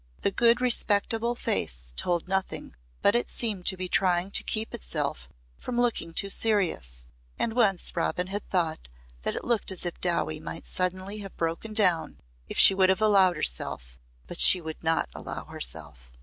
The good respectable face told nothing but it seemed to be trying to keep itself from looking too serious; and once Robin had thought that it looked as if Dowie might suddenly have broken down if she would have allowed herself but she would not allow herself.